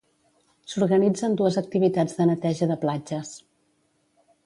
S'organitzen dues activitats de neteja de platges.